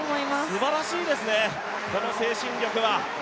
すばらしいですね、この精神力は。